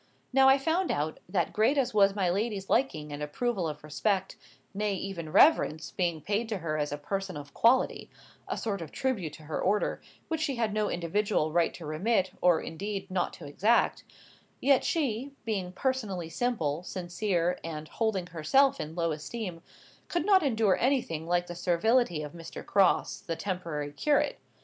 Now I found out, that great as was my lady's liking and approval of respect, nay, even reverence, being paid to her as a person of quality,—a sort of tribute to her Order, which she had no individual right to remit, or, indeed, not to exact,—yet she, being personally simple, sincere, and holding herself in low esteem, could not endure anything like the servility of Mr. Crosse, the temporary curate.